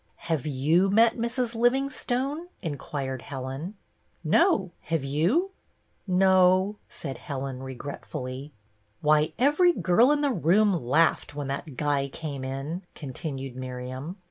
" Have you met Mrs. Livingstone ?" in quired Helen. " No, have you ?"" No," said Helen, regretfully. " Why, every girl in the room laughed, when that guy came in," continued Miriam.